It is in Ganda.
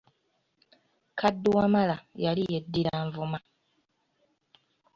Kadduwamala yali yeddira Nvuma.